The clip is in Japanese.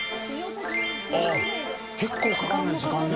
舛結構かかるね時間ね。